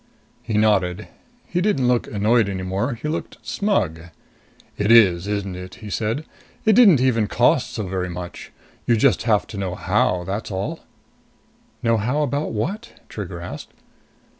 He nodded. He didn't look annoyed any more. He looked smug. "It is, isn't it?" he said. "It didn't even cost so very much. You just have to know how, that's all." "Know how about what?" Trigger asked.